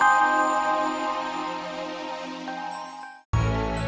makasih ya bu